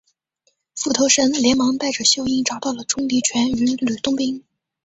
斧头神连忙带着秀英找到了钟离权与吕洞宾。